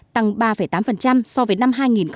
tăng ba tám so với năm hai nghìn một mươi bảy